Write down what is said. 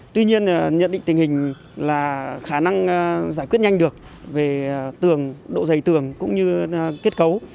tuy nhiên nhận định tình hình là khả năng giải quyết nhanh được về tường độ dày tường cũng như kết cấu